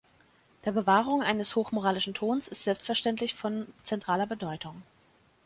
Der Bewahrung eines hoch-moralischen Tons ist selbstverständlich von zentraler Bedeutung.